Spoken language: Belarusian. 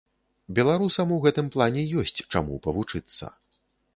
Беларусам у гэтым плане ёсць, чаму павучыцца.